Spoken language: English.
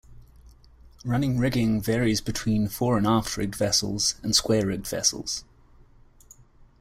Running rigging varies between "fore-and-aft rigged" vessels and "square-rigged" vessels.